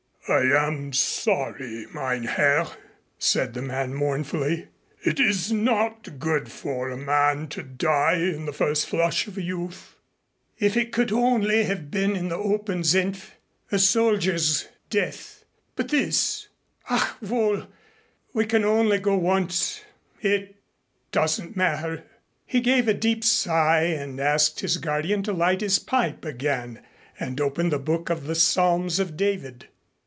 "I am sorry, mein Herr," said the man mournfully. "It is not good for a man to die in the first flush of youth." "If it could only have been in the open, Senf, a soldier's death, but this Ach, wohl we can only go once. It doesn't matter." He gave a deep sigh and asked his guardian to light his pipe again and open the Book at the Psalms of David.